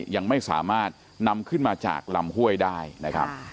ยังไม่สามารถนำขึ้นมาจากลำห้วยได้นะครับ